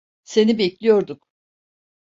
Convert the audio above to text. Seni bekliyorduk.